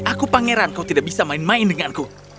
aku pangeran kau tidak bisa main main denganku